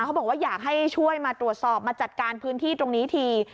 เขาบอกว่าอยากให้ช่วยมาตรวจสอบมาจัดการพื้นที่ตรงนี้ที